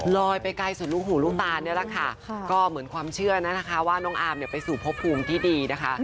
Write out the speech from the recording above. ลอยไปไกลสุดลูกหูลูกตานี่แหละค่ะก็เหมือนความเชื่อนะคะว่าน้องอามเนี่ยไปสู่พบภูมิที่ดีนะคะ